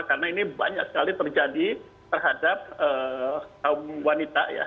karena ini banyak sekali terjadi terhadap kaum wanita ya